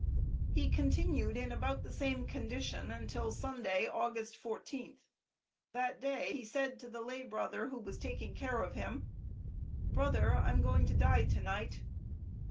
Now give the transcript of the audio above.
He continued in about the same condition until Sunday, August 14th. That day he said to the laybrother who was taking care of him: "Brother, I'm going to die to night."